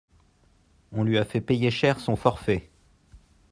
On lui a fait payer cher son forfait.